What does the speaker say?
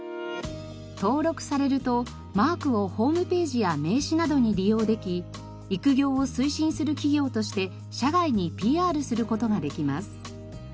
登録されるとマークをホームページや名刺などに利用でき育業を推進する企業として社外にＰＲする事ができます。